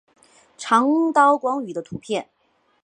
长刀光鱼的图片